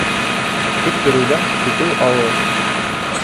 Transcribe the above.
Көттөрөүҙән көтөү ауыр.